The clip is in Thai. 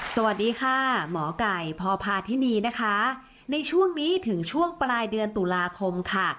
สวัสดีค่ะหมอไก่พพาธินีนะคะในช่วงนี้ถึงช่วงปลายเดือนตุลาคมค่ะ